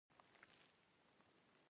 د انسان تعذیب منعه دی.